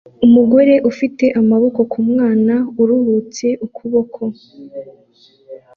Umugore afite amaboko ku mwana uruhutse ukuboko